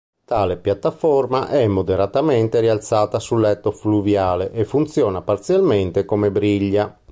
Tale piattaforma è moderatamente rialzata sul letto fluviale e funziona parzialmente come briglia.